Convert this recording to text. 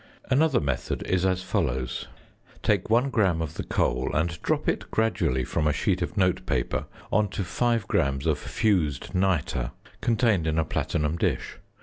Another method is as follows: Take 1 gram of the coal and drop it gradually from a sheet of note paper on to 5 grams of fused nitre contained in a platinum dish.